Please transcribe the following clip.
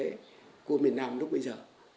đó là một quyết định của miền nam lúc bây giờ